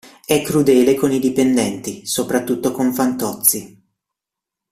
È crudele con i dipendenti, soprattutto con Fantozzi.